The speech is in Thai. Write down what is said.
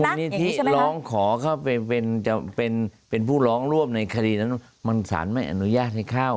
อันนี้ที่ร้องขอเข้าไปเป็นผู้ร้องร่วมในคดีนั้นมันสารไม่อนุญาตให้เข้า